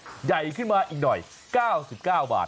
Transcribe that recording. ใหญ่ขึ้นมาอีกหน่อย๙๙บาท